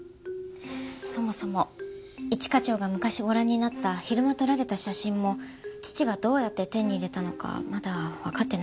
そもそも一課長が昔ご覧になった昼間撮られた写真も父がどうやって手に入れたのかまだわかってないですもんね。